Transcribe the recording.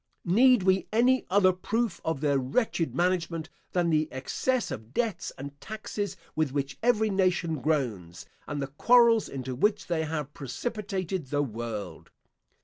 Need we any other proof of their wretched management, than the excess of debts and taxes with which every nation groans, and the quarrels into which they have precipitated the world?